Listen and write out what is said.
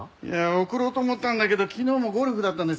送ろうと思ったんだけど昨日もゴルフだったんですよ。